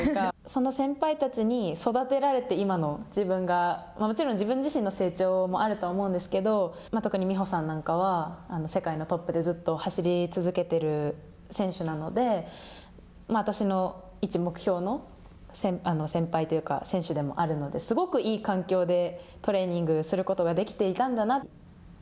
その先輩たちに育てられて今の自分がもちろん自分自身の成長もあると思うんですけれども、特に美帆さんなんかは世界のトップでずっと走り続けている選手なので私の一目標の先輩というか、選手でもあるのですごくいい環境でトレーニングすることができていたんだな。